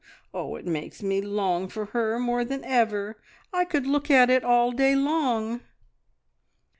Oh, it makes me long for her more than ever! I could look at it all day long!"